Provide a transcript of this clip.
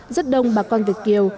rất đông bà con việt kiều